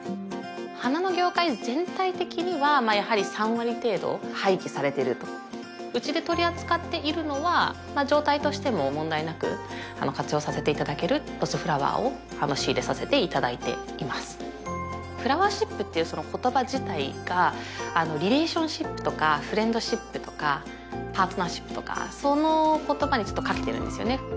花の業界全体的にはやはり３割程度廃棄されてるとうちで取り扱っているのは状態としても問題なく活用させていただけるロスフラワーを仕入れさせていただいています「フラワーシップ」っていうその言葉自体がリレーションシップとかフレンドシップとかパートナーシップとかその言葉にかけてるんですよね